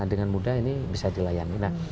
dengan mudah ini bisa dilayani